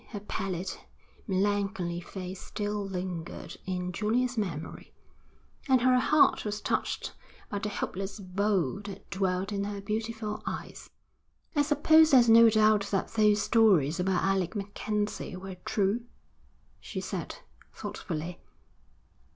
Her pallid, melancholy face still lingered in Julia's memory, and her heart was touched by the hopeless woe that dwelt in her beautiful eyes. 'I suppose there's no doubt that those stories about Alec MacKenzie were true?' she said, thoughtfully.